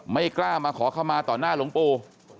ไม่กล้ามาขอเข้ามาต่อหน้าหลวงปู่